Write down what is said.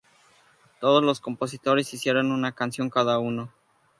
Todos los compositores hicieron una canción cada uno.